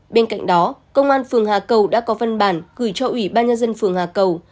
bên cạnh đó công an phường hà cầu đã có văn bản gửi cho ủy ban nhân dân phường hà cầu